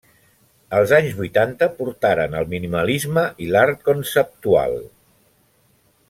Els anys vuitanta portaren el minimalisme i l'art conceptual.